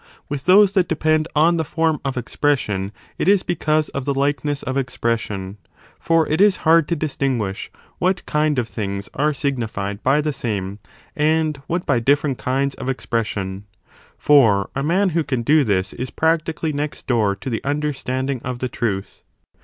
With those that depend on the 30 form of expression it is because of the likeness of expres sion. For it is hard to distinguish what kind of things are signified by the same and what by different kinds of expres sion : for a man who can do this is practically next door to the understanding of the truth.